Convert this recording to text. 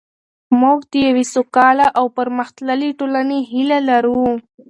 موږ د یوې سوکاله او پرمختللې ټولنې هیله لرو.